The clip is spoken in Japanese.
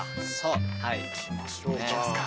行きますか。